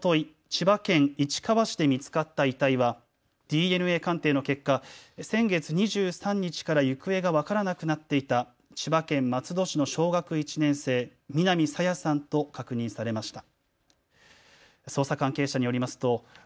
千葉県市川市で見つかった遺体はＤＮＡ鑑定の結果、先月２３日から行方が分からなくなっていた千葉県松戸市の小学１年生、南朝芽さんと確認されました。